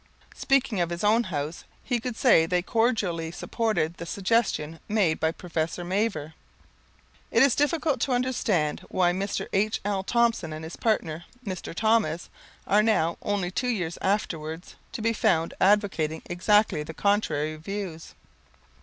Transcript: Speaking of his own house, he could say they cordially supported the suggestion made by Professor Mavor." It is difficult to understand why Mr. H.L. Thompson and his partner, Mr. Thomas, are now, only two years afterwards, to be found advocating exactly the contrary views.